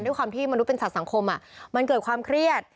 ความที่มนุษย์เป็นสัตว์สังคมมันเกิดความเครียด